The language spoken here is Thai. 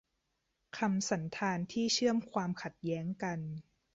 คำสันธานที่เชื่อมความข้ดแย้งกัน